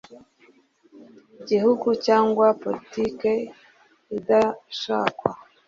igihugu cyangwa politike idashakwa.